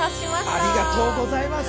ありがとうございます！